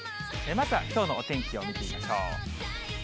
まずはきょうのお天気を見てみましょう。